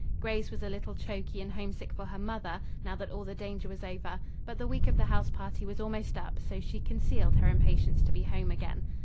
Grace was a little choky and homesick for her mother, now that all the danger was over, but the week of the house party was almost up, so she concealed her impatience to be home again.